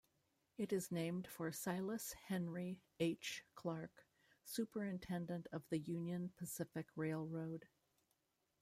It is named for Silas Henry H. Clark, superintendent of the Union Pacific Railroad.